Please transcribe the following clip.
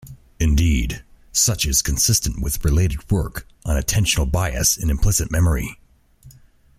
Indeed, such is consistent with related work on attentional bias in implicit memory.